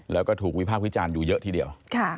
แล้วก็ถูกวิพากษ์วิจารณ์อยู่เยอะทีเดียว